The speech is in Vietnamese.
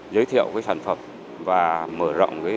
giới thiệu sản phẩm và mở rộng